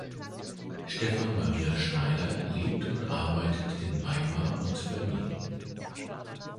Stefan Maria Schneider lebt und arbeitet in Weimar und Berlin.